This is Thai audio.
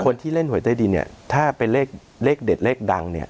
คนที่เล่นหวยใต้ดินเนี่ยถ้าเป็นเลขเด็ดเลขดังเนี่ย